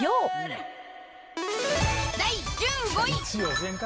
第１５位。